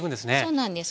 そうなんです。